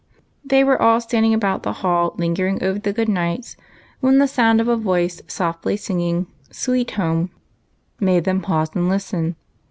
They were all standing about the hall lingering over the good nights, when the sound of a voice softly singing " Sweet Home," made them pause and listen.